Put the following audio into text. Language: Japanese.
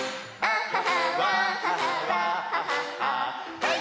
はい！